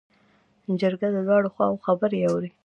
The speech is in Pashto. جرګه د دواړو خواوو خبرې اوري.